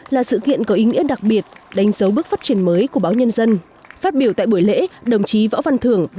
là sự kiện có ý nghĩa đặc biệt đánh dấu bước phát triển mới của báo nhân dân